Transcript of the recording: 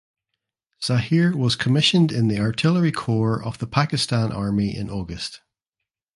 Zahir was commissioned in the Artillery Corps of the Pakistan Army in August.